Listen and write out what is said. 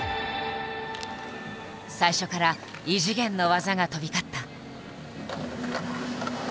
最初から異次元の技が飛び交った。